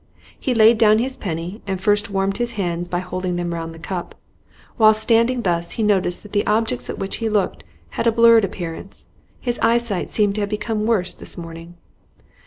He laid down his penny, and first warmed his hands by holding them round the cup. Whilst standing thus he noticed that the objects at which he looked had a blurred appearance; his eyesight seemed to have become worse this morning.